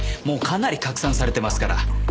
もうかなり拡散されてますから。